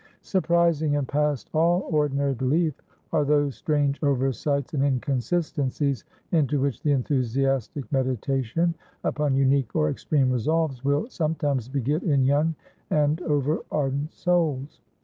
Surprising, and past all ordinary belief, are those strange oversights and inconsistencies, into which the enthusiastic meditation upon unique or extreme resolves will sometimes beget in young and over ardent souls.